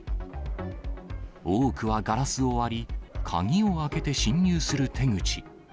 多くはガラスを割り、鍵を開けて侵入する手口。